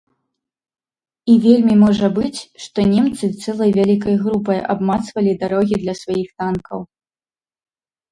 І вельмі можа быць, што немцы цэлай вялікай групай абмацвалі дарогі для сваіх танкаў.